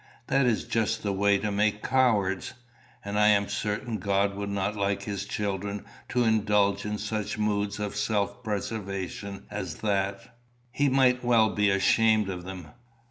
That is just the way to make cowards. And I am certain God would not like his children to indulge in such moods of self preservation as that. He might well be ashamed of them.